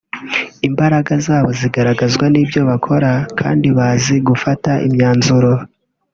imbaraga zabo zigaragazwa n’ibyo bakora kandi bazi gufata imyanzuro